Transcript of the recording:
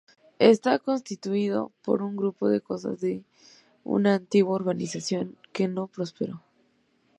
Está constituido por un grupo de casas de una antigua urbanización que no prosperó.